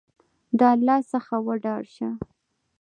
د الله څخه وډار شه !